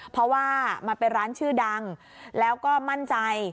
เพราะว่ามันเป็นร้านชื่อดังแล้วก็มั่นใจ